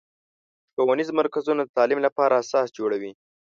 ښوونیز مرکزونه د تعلیم لپاره اساسات جوړوي.